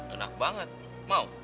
enak banget mau